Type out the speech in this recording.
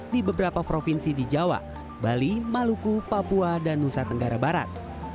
di beberapa provinsi di jawa bali maluku papua dan nusa tenggara barat